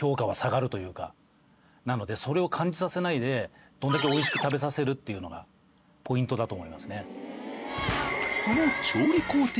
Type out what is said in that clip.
なのでそれを感じさせないでどれだけ美味しく食べさせるっていうのがポイントだと思いますね。